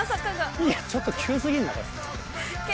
いやちょっと急過ぎんなこれ。